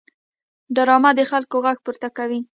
ډرامه د خلکو غږ پورته کوي